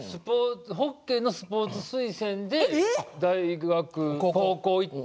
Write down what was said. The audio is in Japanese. ホッケーのスポーツ推薦で大学行って。